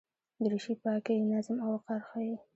دریشي پاکي، نظم او وقار ښيي.